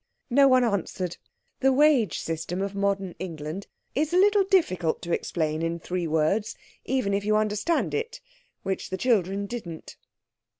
No one answered. The wage system of modern England is a little difficult to explain in three words even if you understand it—which the children didn't.